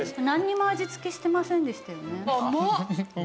なんにも味付けしてませんでしたよね。